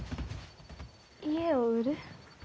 家を売る？